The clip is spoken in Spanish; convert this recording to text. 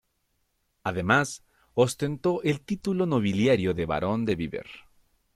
Además, ostentó el título nobiliario de barón de Viver.